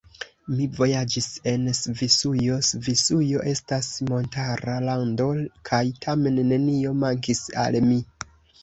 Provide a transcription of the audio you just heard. Mi vojaĝis en Svisujo; Svisujo estas montara lando, kaj tamen nenio mankis al mi.